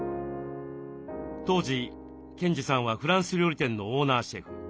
当時賢治さんはフランス料理店のオーナーシェフ。